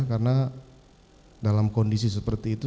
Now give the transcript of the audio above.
karena dalam kondisi seperti itu